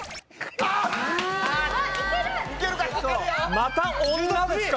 また「女」ですか？